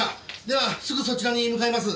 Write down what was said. ではすぐそちらに向かいます。